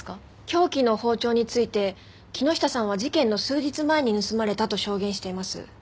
凶器の包丁について木下さんは事件の数日前に盗まれたと証言しています。